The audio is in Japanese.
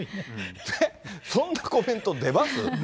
そんなコメント出ます？